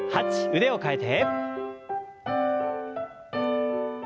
腕を替えて。